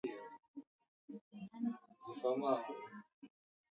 Unataka kupigana na mimi?